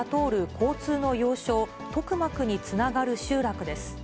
交通の要衝、トクマクにつながる集落です。